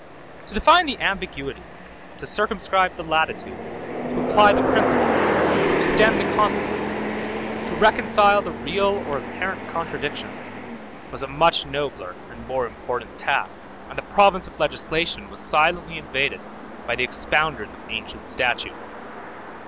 To define the ambiguities, to circumscribe the latitude, to apply the principles, to extend the consequences, to reconcile the real or apparent contradictions, was a much nobler and more important task; and the province of legislation was silently invaded by the expounders of ancient statutes.